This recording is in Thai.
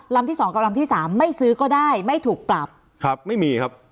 ที่สองกับลำที่สามไม่ซื้อก็ได้ไม่ถูกปรับครับไม่มีครับ